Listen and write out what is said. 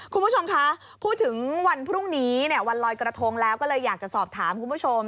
คุณผู้ชมคะพูดถึงวันพรุ่งนี้เนี่ยวันลอยกระทงแล้วก็เลยอยากจะสอบถามคุณผู้ชม